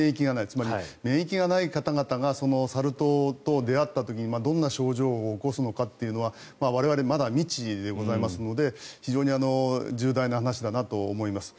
つまり免疫がない方々がそのサル痘と出会った時にどんな症状を起こすのかっていうのは我々、まだ未知でございますので非常に重大な話だなと思います。